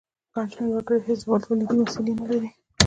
ګڼ شمیر وګړي هیڅ ډول تولیدي وسیلې نه لري.